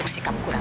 eh sakit tau gak